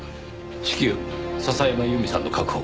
至急笹山由美さんの確保